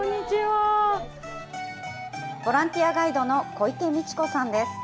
ボランティアガイドの小池陸子さんです。